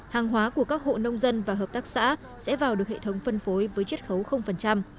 hàng hóa của các hộ nông dân và hợp tác xã sẽ vào được hệ thống phân phối với chất khấu